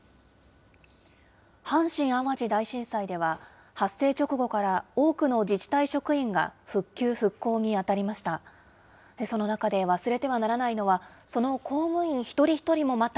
阪神・淡路大震災では、発生直後から多くの自治体職員が、復旧・復興に当たりました。